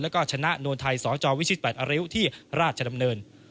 แล้วก็ชนะนวลไทยสจวิชิต๘อริ้วที่ราชดำเนิน